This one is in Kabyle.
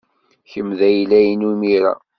Kemm d ayla-inu imir-a.